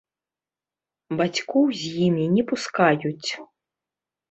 Бацькоў з імі не пускаюць.